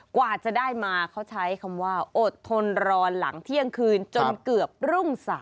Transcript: กว่าจะได้มาเขาใช้คำว่าอดทนรอหลังเที่ยงคืนจนเกือบรุ่ง๓